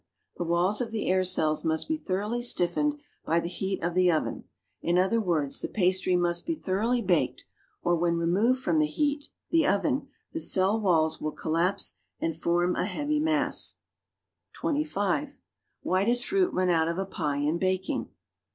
The walls of the air cells must be thoroughly stiffened by the heat of the oven, — in other words the pastry must be thor oughly baked — or when removed from the heat (the oven) the cell walls will collapse and form a heavy mass. (25) Why does fruit run out of a pie in baking?